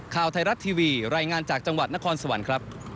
ข่าวไทยรัฐทีวีรายงานจากจังหวัดนครสวรรค์ครับ